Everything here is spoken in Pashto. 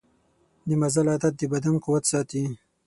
د مزل عادت د بدن قوت ساتي.